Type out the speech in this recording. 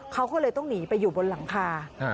เขาก็เลยต้องหนีไปอยู่บนหลังคา